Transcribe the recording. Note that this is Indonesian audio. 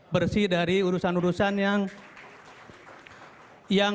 bersih dari urusan urusan yang